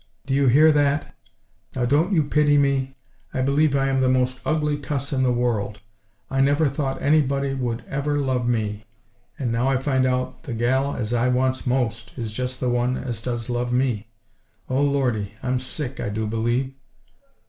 Do you hear that? Now, don't you pity me? I believe I am the most ugly cuss in the world. I never thought anybody would ever love me, and now I find out the gal as I wants most is just the one as does love me! Oh Lordy, I'm sick, I do believe!"